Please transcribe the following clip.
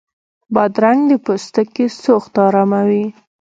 بادرنګ د پوستکي سوخت اراموي.